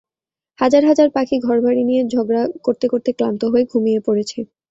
হাজার হাজার পাখি ঘরবাড়ি নিয়ে ঝগড়া করতে করতে ক্লান্ত হয়ে ঘুমিয়ে পড়েছে।